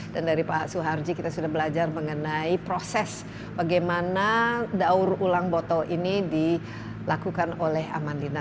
dan dari pak suharji kita sudah belajar mengenai proses bagaimana daur ulang botol ini dilakukan oleh amandina